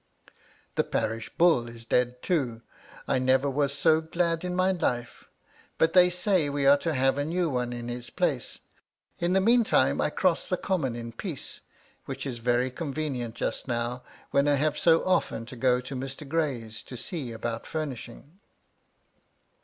The * parish bull is dead too. I never was so glad in my life. * But they say we are to have a new one in his place. * In the meantime I cross the common in peace, which * is convenient just now, when I have so often to go to * Mr. Gray's to see about furnishing.